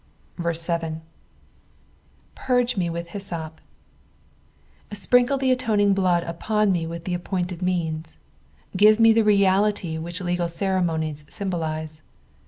7, "Purge me irith hyssop," Sprinkle the atoning blood upon me with the appointed means. Give me the realiry which legal ceremonies symbol ise.